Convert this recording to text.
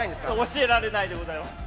◆教えられないでございます。